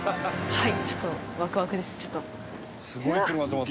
はい。